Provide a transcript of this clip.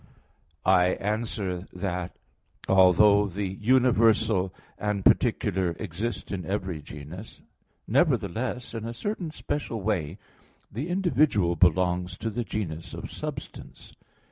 I answer that, Although the universal and particular exist in every genus, nevertheless, in a certain special way, the individual belongs to the genus of substance.